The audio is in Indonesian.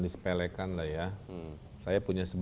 di sepelekan lah ya saya punya